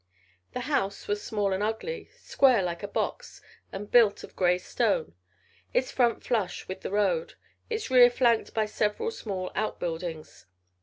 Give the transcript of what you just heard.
The house was small and ugly; square like a box and built of grey stone, its front flush with the road, its rear flanked by several small outbuildings.